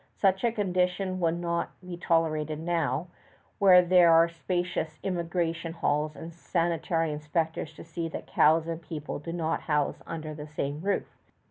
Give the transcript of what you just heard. Such a condition would not be tolerated now, when there are spacious immigration halls and sanitary inspectors to see that cows and people do not house under the same roof.